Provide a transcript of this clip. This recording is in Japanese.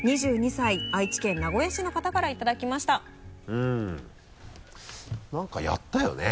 うん何かやったよね。